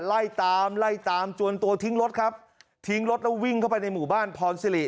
ไล่ตามไล่ตามจวนตัวทิ้งรถครับทิ้งรถแล้ววิ่งเข้าไปในหมู่บ้านพรสิริ